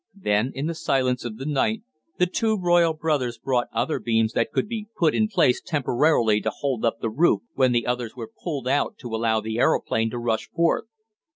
Then, in the silence of the night, the two royal brothers brought other beams that could be put in place temporarily to hold up the roof when the others were pulled out to allow the aeroplane to rush forth.